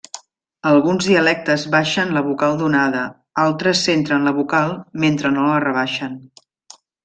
Alguns dialectes baixen la vocal donada, altres centren la vocal mentre no la rebaixen.